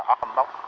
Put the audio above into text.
ốc âm bốc